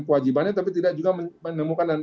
kewajibannya tapi tidak juga menemukan